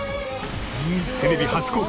テレビ初公開。